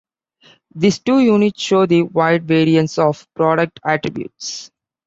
These two units show the wide variance of product attributes.